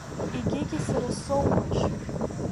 Егьигьы сара соумашь?